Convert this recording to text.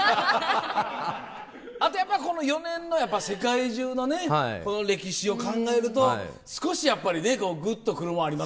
あとやっぱこの４年の世界中のねこの歴史を考えると少しやっぱりねグッとくるもんありますよね。